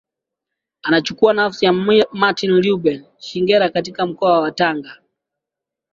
Anachukua nafasi ya Martin Reuben Shigella katika mkoa wa Tanga